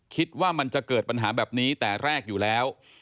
คิดว่ามันจะเกิดปัญหาแบบนี้แต่แรกอยู่แล้ว